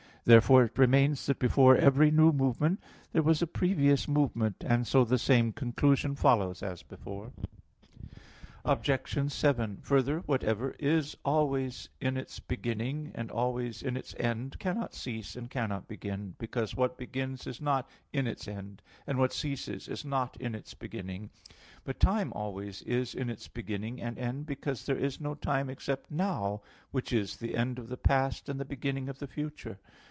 Therefore it remains that before every new movement, there was a previous movement; and so the same conclusion follows as before. Obj. 7: Further, whatever is always in its beginning, and always in its end, cannot cease and cannot begin; because what begins is not in its end, and what ceases is not in its beginning. But time always is in its beginning and end, because there is no time except "now" which is the end of the past and the beginning of the future.